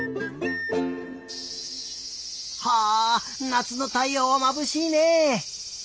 はあなつのたいようはまぶしいね。